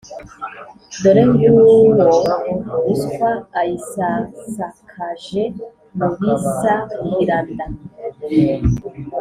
dore ng'uwo ruswa ayisasakaje mu bisahiranda!